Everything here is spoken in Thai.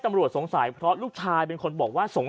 ชาวบ้านญาติโปรดแค้นไปดูภาพบรรยากาศขณะ